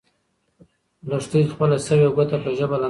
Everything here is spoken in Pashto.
لښتې خپله سوې ګوته په ژبه لنده کړه.